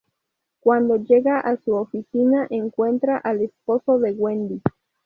Cuando llega a su oficina encuentra al esposo de Wendy.